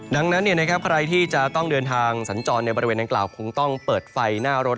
ดังนั้นใครที่จะต้องเดินทางสัญจรในบริเวณดังกล่าวคงต้องเปิดไฟหน้ารถ